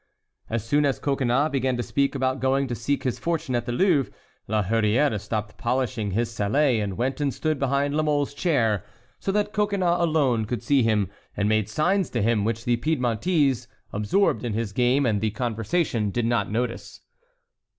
As soon as Coconnas began to speak about going to seek his fortune at the Louvre, La Hurière stopped polishing his sallet and went and stood behind La Mole's chair, so that Coconnas alone could see him, and made signs to him, which the Piedmontese, absorbed in his game and the conversation, did not notice.